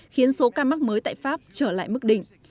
khiến số ca mắc mới tại pháp trở lại mức đỉnh